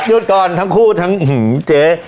หยุดก่อนทั้งคู่ทั้งเจ๊